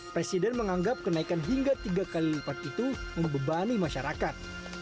presiden menganggap kenaikan hingga tiga kali lipat itu membebani masyarakat